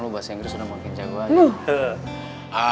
lo bahasa inggris udah makin jago aja